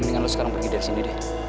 mendingan lo sekarang pergi dari sini deh